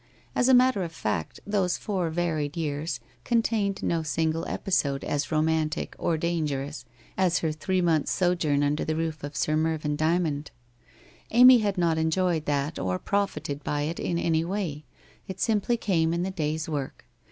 As a matter of fact, those four varied years contained no single episode as romantic or dangerous as her three months' sojourn under the roof of Sir Mervyn Dymond. Amy had not enjoyed that or profited by it in any way. It simply came in the day's work.